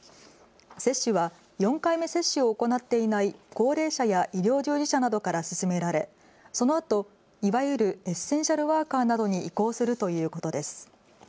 接種は４回目接種を行っていない高齢者や医療従事者などから進められ、そのあといわゆるエッセンシャルワーカーなどに移行するということです。